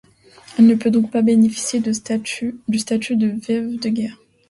Elle ne peut donc pas bénéficier du statut de veuve de guerre.